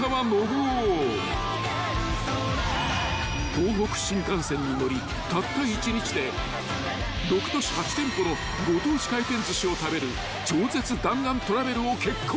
［東北新幹線に乗りたった１日で６都市８店舗のご当地回転寿司を食べる超絶弾丸トラベルを決行］